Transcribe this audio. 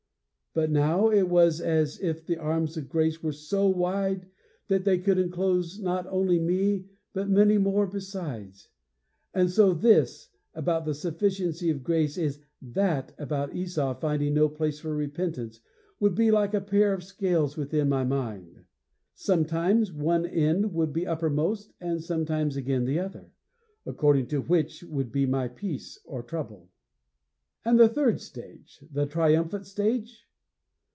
But now it was as if the arms of grace were so wide that they could enclose not only me but many more besides. And so this about the sufficiency of grace and that about Esau finding no place for repentance would be like a pair of scales within my mind. Sometimes one end would be uppermost and sometimes again the other; according to which would be my peace or trouble.' And the third stage the triumphant stage?